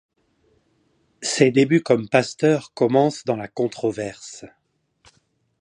Ses débuts comme pasteur commencent dans la controverse.